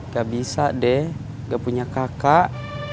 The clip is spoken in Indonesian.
gak bisa deh gak punya kakak